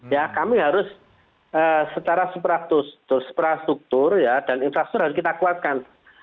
ya kami harus setara suprastruktur ya dan infrastruktur harus kita kuatkan